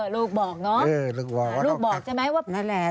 ลูกบอกอ๋อลูกบอกอ่าลูกบอกใช่ไหมว่านั่นแหละ